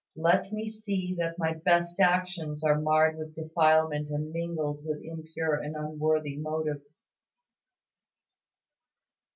Let me see that my best actions are marred with defilement and mingled with impure and unworthy motives.